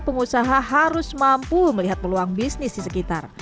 pengusaha harus mampu melihat peluang bisnis di sekitar